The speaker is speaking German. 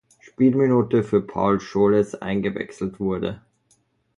Spielminute für Paul Scholes eingewechselt wurde.